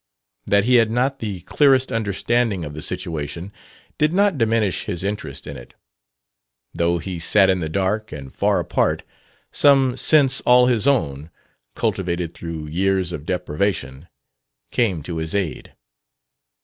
That he had not the clearest understanding of the situation did not diminish his interest in it. Though he sat in the dark, and far apart, some sense all his own, cultivated through years of deprivation, came to his aid.